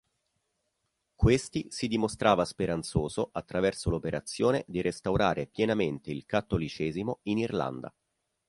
Questi si dimostrava speranzoso attraverso l'operazione di restaurare pienamente il cattolicesimo in Irlanda.